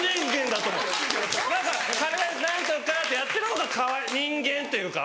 だから「彼氏何とか」ってやってる方が人間というか。